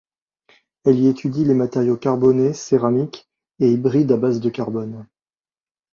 Elle y étudie les matériaux carbonés, céramiques et hybrides à base de carbone.